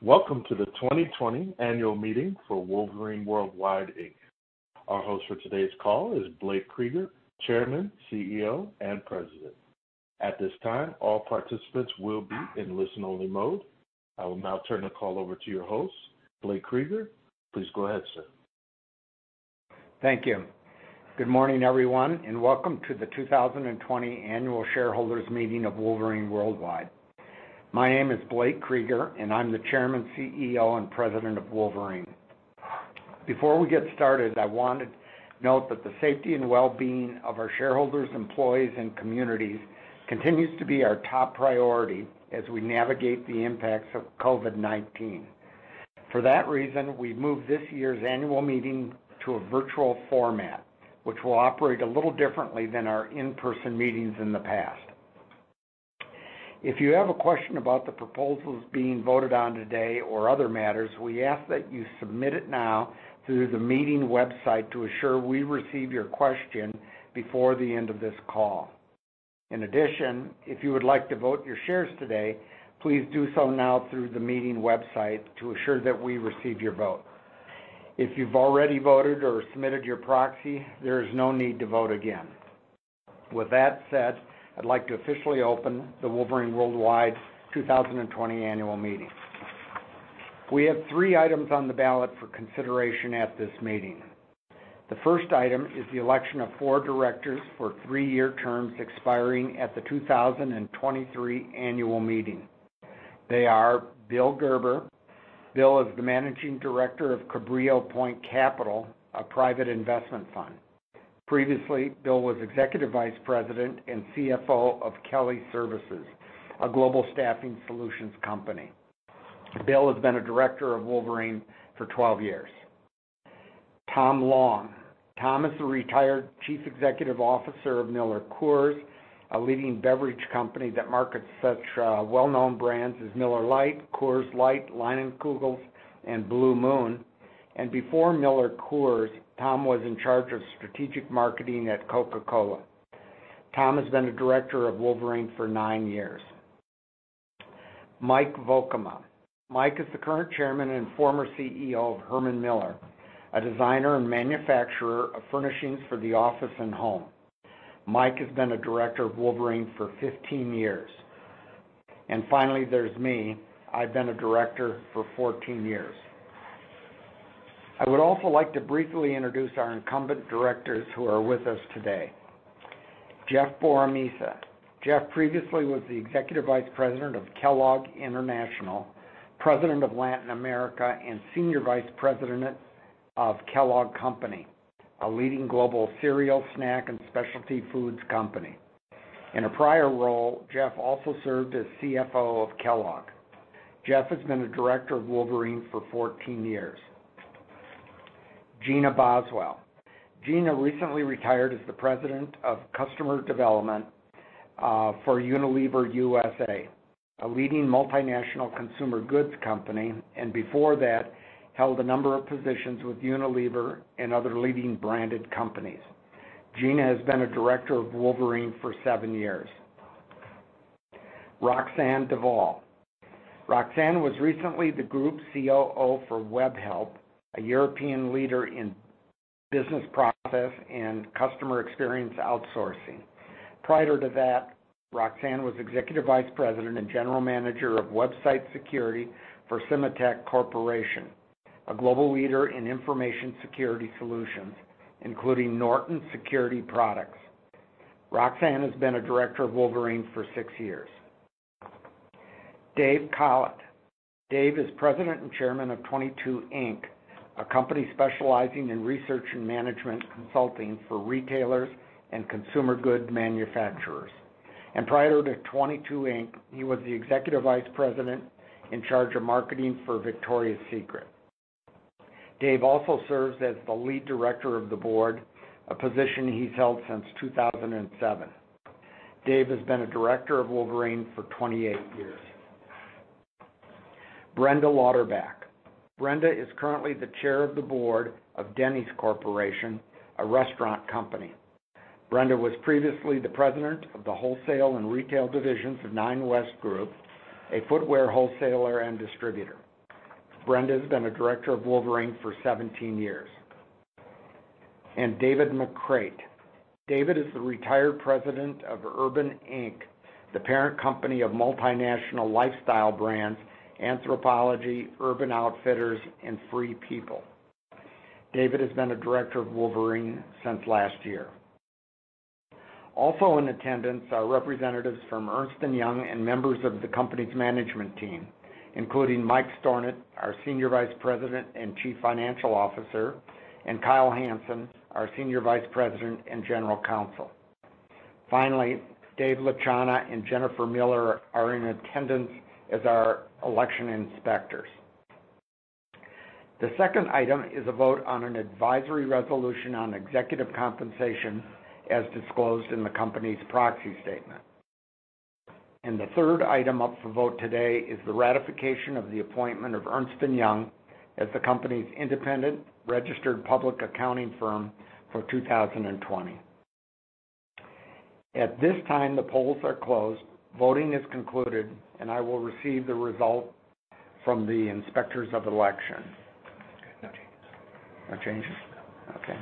Welcome to the 2020 Annual Meeting for Wolverine Worldwide Inc. Our host for today's call is Blake Krueger, Chairman, CEO, and President. At this time, all participants will be in listen-only mode. I will now turn the call over to your host, Blake Krueger. Please go ahead, sir. Thank you. Good morning, everyone, and welcome to the 2020 Annual Shareholders Meeting of Wolverine Worldwide. My name is Blake Krueger, and I'm the Chairman, CEO, and President of Wolverine. Before we get started, I wanted to note that the safety and well-being of our shareholders, employees, and communities continues to be our top priority as we navigate the impacts of COVID-19. For that reason, we moved this year's annual meeting to a virtual format, which will operate a little differently than our in-person meetings in the past. If you have a question about the proposals being voted on today or other matters, we ask that you submit it now through the meeting website to ensure we receive your question before the end of this call. In addition, if you would like to vote your shares today, please do so now through the meeting website to ensure that we receive your vote. If you've already voted or submitted your proxy, there is no need to vote again. With that said, I'd like to officially open the Wolverine Worldwide 2020 Annual Meeting. We have three items on the ballot for consideration at this meeting. The first item is the election of four directors for three-year terms expiring at the 2023 Annual Meeting. They are Bill Gerber. Bill is the managing director of Cabrillo Point Capital, a private investment fund. Previously, Bill was Executive Vice President and CFO of Kelly Services, a global staffing solutions company. Bill has been a director of Wolverine for 12 years. Tom Long. Tom is the retired Chief Executive Officer of MillerCoors, a leading beverage company that markets such well-known brands as Miller Lite, Coors Light, Leinenkugel's, and Blue Moon. Before MillerCoors, Tom was in charge of strategic marketing at Coca-Cola. Tom has been a director of Wolverine for 9 years. Mike Volkema. Mike is the current Chairman and former CEO of Herman Miller, a designer and manufacturer of furnishings for the office and home. Mike has been a director of Wolverine for 15 years. Finally, there's me. I've been a director for 14 years. I would also like to briefly introduce our incumbent directors who are with us today. Jeff Boromisa. Jeff previously was the Executive Vice President of Kellogg International, President of Latin America, and Senior Vice President of Kellogg Company, a leading global cereal, snack, and specialty foods company. In a prior role, Jeff also served as CFO of Kellogg. Jeff has been a director of Wolverine for 14 years. Gina Boswell. Gina recently retired as the President of Customer Development for Unilever USA, a leading multinational consumer goods company, and before that, held a number of positions with Unilever and other leading branded companies. Gina has been a director of Wolverine for 7 years. Roxane Divol. Roxane was recently the Group COO for Webhelp, a European leader in business process and customer experience outsourcing. Prior to that, Roxane was Executive Vice President and General Manager of Website Security for Symantec Corporation, a global leader in information security solutions, including Norton Security products. Roxane has been a director of Wolverine for 6 years. Dave Kollat. Dave is President and Chairman of 22 Inc., a company specializing in research and management consulting for retailers and consumer goods manufacturers. Prior to 22 Inc., he was the Executive Vice President in charge of marketing for Victoria's Secret. Dave also serves as the lead director of the board, a position he's held since 2007. Dave has been a director of Wolverine for 28 years. Brenda Lauderback. Brenda is currently the Chair of the Board of Denny's Corporation, a restaurant company. Brenda was previously the president of the wholesale and retail divisions of Nine West Group, a footwear wholesaler and distributor. Brenda has been a director of Wolverine for 17 years. And David McCreight. David is the retired president of Urban Outfitters, Inc., the parent company of multinational lifestyle brands, Anthropologie, Urban Outfitters, and Free People. David has been a director of Wolverine since last year. Also in attendance are representatives from Ernst & Young and members of the company's management team, including Mike Stornant, our Senior Vice President and Chief Financial Officer, and Kyle Hanson, our Senior Vice President and General Counsel. Finally, Dave Latchana and Jennifer Miller are in attendance as our election inspectors. The second item is a vote on an advisory resolution on executive compensation, as disclosed in the company's proxy statement. The third item up for vote today is the ratification of the appointment of Ernst & Young as the company's independent registered public accounting firm for 2020. At this time, the polls are closed, voting is concluded, and I will receive the result from the inspectors of election. No changes? Okay.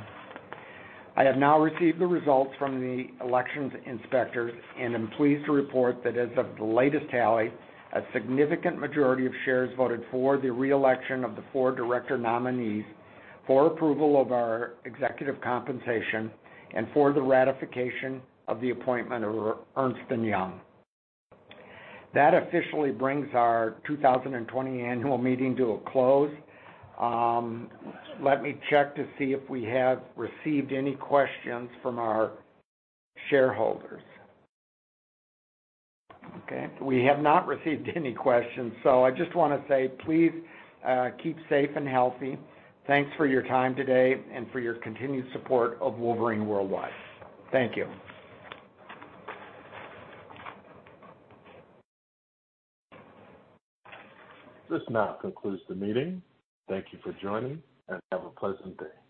I have now received the results from the elections inspectors, and I'm pleased to report that as of the latest tally, a significant majority of shares voted for the re-election of the four director nominees, for approval of our executive compensation, and for the ratification of the appointment of Ernst & Young. That officially brings our 2020 annual meeting to a close. Let me check to see if we have received any questions from our shareholders. Okay, we have not received any questions, so I just want to say please, keep safe and healthy. Thanks for your time today and for your continued support of Wolverine Worldwide. Thank you. This now concludes the meeting. Thank you for joining, and have a pleasant day.